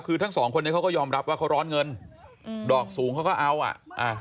คือทั้งสองคนนี้เขาก็ยอมรับว่าเขาร้อนเงินอืมดอกสูงเขาก็เอาอ่ะอ่า